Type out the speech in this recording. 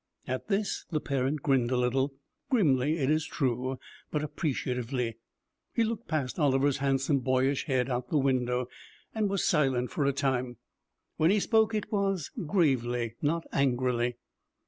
At this the parent grinned a little, grimly it is true, but appreciatively. He looked past Oliver's handsome, boyish head, out of the window, and was silent for a time. When he spoke, it was gravely, not angrily.